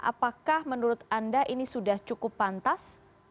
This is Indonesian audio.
apakah menurut anda ini sudah cukup pantas